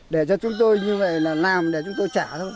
để cho chúng tôi như vậy là làm để chúng tôi trả thôi